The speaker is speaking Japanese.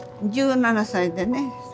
１７歳でね